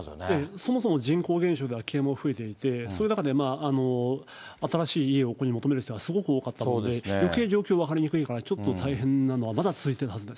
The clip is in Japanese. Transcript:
そもそも人口減少でも増えていて、そういう中で、新しい家をここに求める人がすごく多かったので、よけい状況が分かりにくいから、大変なのはまだ続いているはずです。